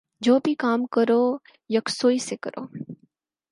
جو بھی کام کرو یکسوئی سے کرو۔